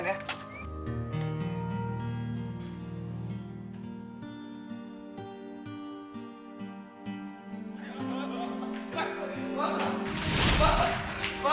buka buka buka